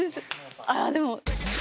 ああでも。